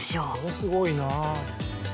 すごいな。